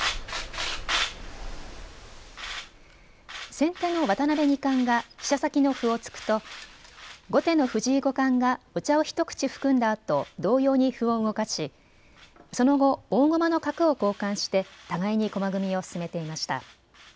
先手の渡辺二冠が飛車先の歩を突くと後手の藤井五冠がお茶を一口含んだあと同様に歩を動かしその後、大駒の角を交換して互いに駒組みを進めていました。